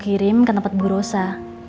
kirim ke tempat bu rosa